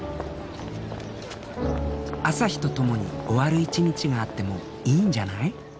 朝日とともに終わる一日があってもいいんじゃない？